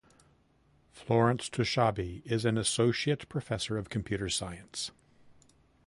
Florence Tushabe is an Associate Professor of Computer Science